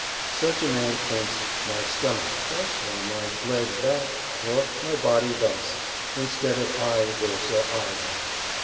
Such a man thinks "my stomach, this," or "my leg, that," or "my body, thus," instead of "'I,' this," or "'I' that."